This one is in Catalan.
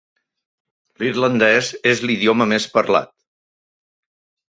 L'irlandès és l'idioma més parlat.